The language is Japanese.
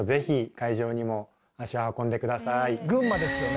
群馬ですよね。